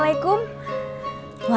waalaikumsalam bu yola